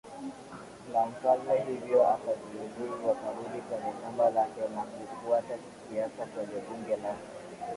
la mfalme hivyo akajiuzulu akarudi kwenye shamba lake na kufuata siasa kwenye bunge la